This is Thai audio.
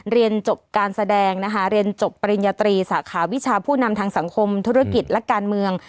เรียนจบการแสดงนะคะเรียนจบปริญญาตรีสาขาวิชาผู้นำทางสังคมธุรกิจและการเมือง